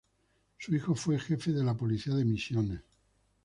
Su hijo fue jefe de la Policía de Misiones.